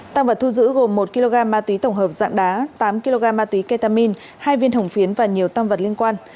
tăng vật thu giữ gồm một kg ma túy tổng hợp dạng đá tám kg ma túy ketamin hai viên hồng phiến và nhiều tam vật liên quan